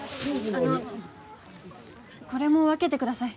あのこれも分けてください